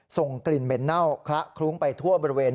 ส่งกลิ่นเหม็นเน่าคละคลุ้งไปทั่วบริเวณ